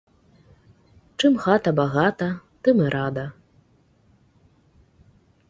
Чым хата багата, тым і рада.